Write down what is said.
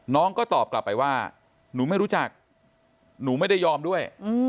น้องก็ตอบกลับไปว่าหนูไม่รู้จักหนูไม่ได้ยอมด้วย